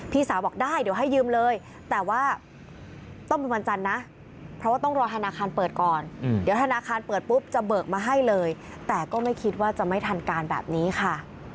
พี่สาวบอกได้เดี๋ยวให้ยืมเลยแต่ว่าต้องเป็นวันจันทร์นะเพราะว่าต้องรอธนาคารเปิดก่อนเดี๋ยวธนาคารเปิดปุ๊บจะเบิกมาให้เลยแต่ก็ไม่คิดว่าจะไม่ทันการแบบนี้ค่ะ